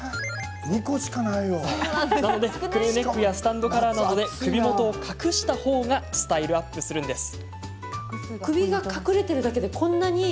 なので、クルーネックやスタンドカラーなどで首元を隠したほうがスタイルアップするんです。